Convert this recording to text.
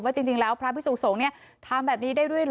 ว่าจริงแล้วพระพี่สูงเนี่ยทำแบบนี้ได้ด้วยเหรอ